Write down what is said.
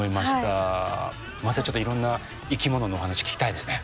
またちょっといろんな生きもののお話聞きたいですね。